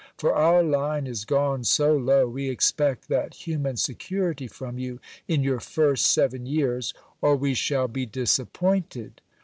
For our line is gone so low, we expect that human security from you in your first seven years, or we shall be disappointed.